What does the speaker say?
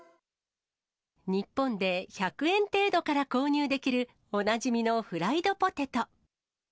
日本で１００円程度から購入できる、おなじみのフライドポテト。